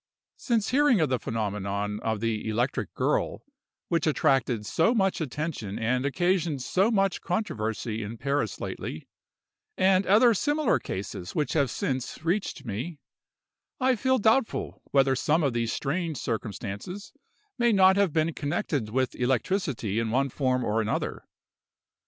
Since hearing of the phenomenon of the electric girl, which attracted so much attention and occasioned so much controversy in Paris lately, and other similar cases which have since reached me, I feel doubtful whether some of these strange circumstances may not have been connected with electricity in one form or another.